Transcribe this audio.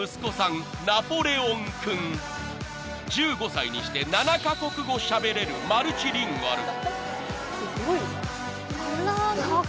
［１５歳にして７カ国語しゃべれるマルチリンガル］